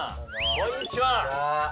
こんにちは！